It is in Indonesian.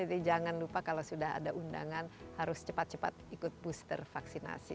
jadi jangan lupa kalau sudah ada undangan harus cepat cepat ikut booster vaksinasi